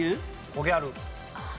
コギャル。